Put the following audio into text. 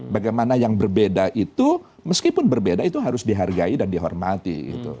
bagaimana yang berbeda itu meskipun berbeda itu harus dihargai dan dihormati